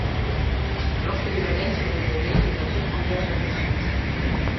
Lorsque les baleines sont repérées, les navires engagent la poursuite.